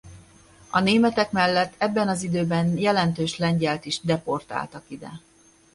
A németek mellett ebben az időben jelentős lengyelt is deportáltak ide.